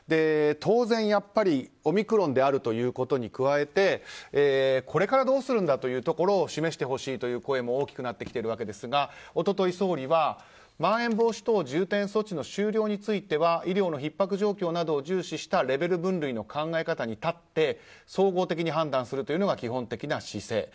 当然、オミクロンであるということに加えてこれからどうするんだというところを示してほしいという声も大きくなってきているわけですが一昨日、総理はまん延防止等重点措置の終了については医療のひっ迫状況などを重視したレベル分類の考え方に立って総合的に判断するというのが基本的な姿勢。